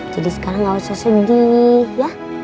jadi sekarang gak usah sedih ya